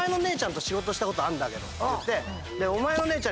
て言って。